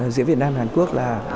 giữa việt nam và hàn quốc là